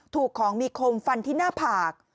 ถูกของมีคมฟันที่หน้าผาก